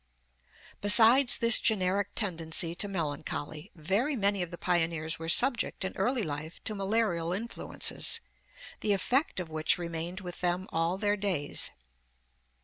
Besides this generic tendency to melancholy, very many of the pioneers were subject in early life to malarial influences, the effect of which remained with them all their days.